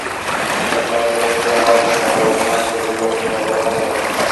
تاسو مېوه لرونکي چهارمغز په تودو خونو کې د ډېر وخت لپاره مه ساتئ.